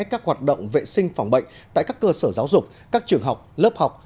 các hoạt động vệ sinh phòng bệnh tại các cơ sở giáo dục các trường học lớp học